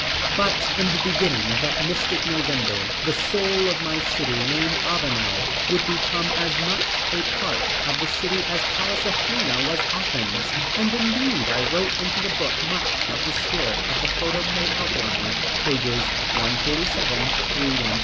But in the beginning of that mystic November, the Soul of My City, named Avanel, would become as much a part of the city as Pallas Athena was Athens, and indeed I wrote into the book much of the spirit of the photoplay outlined, pages 147 through 150.